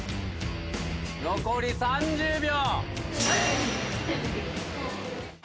残り３０秒。